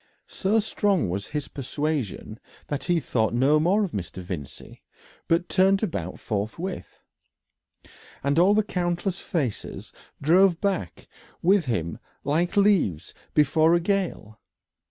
So strong was this persuasion that he thought no more of Mr. Vincey, but turned about forthwith, and all the countless faces drove back with him like leaves before a gale.